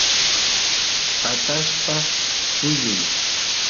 atashpa tullun